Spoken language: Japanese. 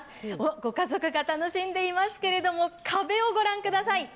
ご家族が楽しんでおられますけど、壁をご覧ください。